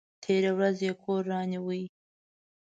تېره ورځ یې کور رانیوی!